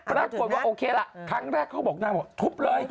ปรากฏว่าโอเคล่ะครั้งแรกเขาบอกนางบอกทุบเลย